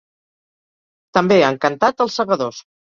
També han cantat ‘Els Segadors’.